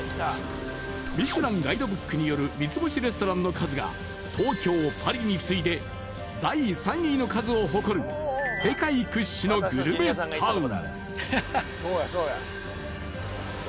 ミシュランガイドブックによる３つ星レストランの数が東京、パリに次いで第３位の数を誇る世界屈指のグルメタウン。